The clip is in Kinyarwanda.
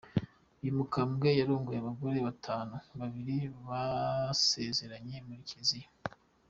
Uyu mukambwe yarongoye abagore batanu, babiri basezeranye mu kiliziya.